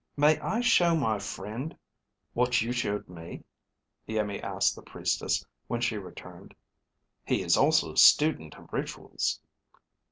"May I show my friend what you showed me?" Iimmi asked the Priestess when she returned. "He is also a student of rituals."